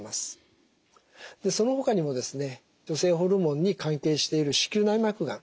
そのほかにもですね女性ホルモンに関係している子宮内膜がん。